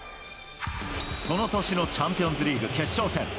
その年のチャンピオンズリーグ決勝戦。